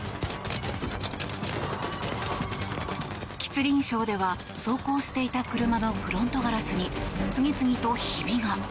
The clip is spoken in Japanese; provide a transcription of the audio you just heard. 吉林省では走行していた車のフロントガラスに次々とひびが。